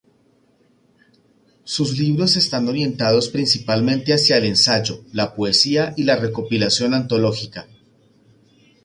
Sus libros están orientados principalmente hacia el ensayo, la poesía y la recopilación antológica.